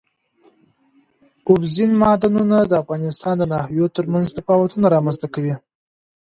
اوبزین معدنونه د افغانستان د ناحیو ترمنځ تفاوتونه رامنځ ته کوي.